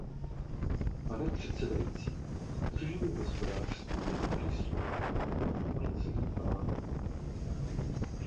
Pane předsedající, tržní hospodářství je dobrý sluha, ale zlý pán.